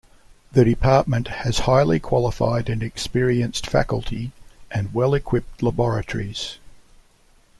The Department has highly qualified and experienced faculty and well equipped laboratories.